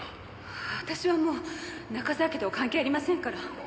私はもう中沢家とは関係ありませんから。